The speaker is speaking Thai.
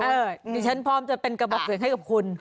เดี๋ยวฉันพร้อมจะเป็นกระบอกเสียงให้กับคุณ